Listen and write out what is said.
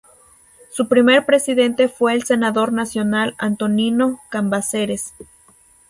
Su primer presidente fue el senador nacional Antonino Cambaceres.